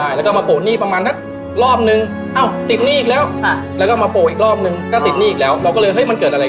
อย่างเงินของเราคือจากที่เราได้ดิเจ